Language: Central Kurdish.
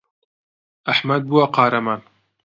ئەحمەد بووە قارەمان.